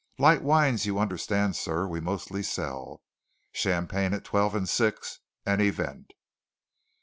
"Light wines, you understand, sir, we mostly sell. Champagne at twelve and six an event!"